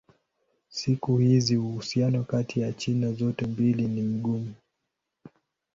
Siku hizi uhusiano kati ya China zote mbili ni mgumu.